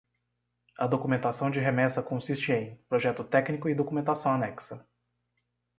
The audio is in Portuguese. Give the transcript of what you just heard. A documentação de remessa consiste em: projeto técnico e documentação anexa.